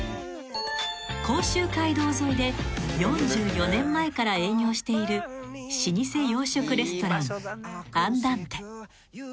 ［甲州街道沿いで４４年前から営業している老舗洋食レストランアンダンテ］